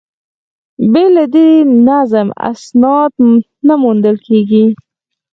بې له دې نظم، اسناد نه موندل کېږي.